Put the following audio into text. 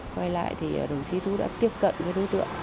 quay lại thì đồng chí tú đã tiếp cận với đối tượng